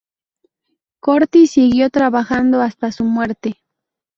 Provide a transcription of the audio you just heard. Corti siguió trabajando hasta su muerte.